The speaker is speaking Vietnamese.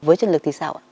với chân lực thì sao ạ